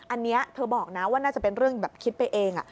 อันนี้เธอบอกนะว่าน่าจะเป็นเรื่องแบบคิดไปเอง